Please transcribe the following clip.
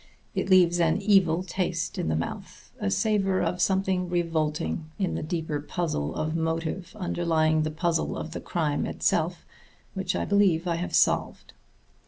It leaves an evil taste in the mouth, a savor of something revolting in the deeper puzzle of motive underlying the puzzle of the crime itself, which I believe I have solved.